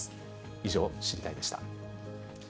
以上、知りたいッ！でした。